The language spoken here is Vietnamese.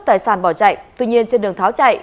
tài sản bỏ chạy tuy nhiên trên đường tháo chạy